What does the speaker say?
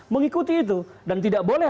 mengikuti itu dan tidak boleh